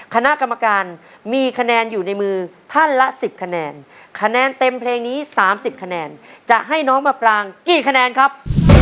คณะกรรมการมีคะแนนอยู่ในมือท่านละ๑๐คะแนนคะแนนเต็มเพลงนี้๓๐คะแนนจะให้น้องมาปรางกี่คะแนนครับ